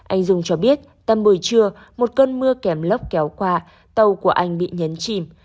anh dung cho biết tầm buổi trưa một cơn mưa kèm lốc kéo qua tàu của anh bị nhấn chìm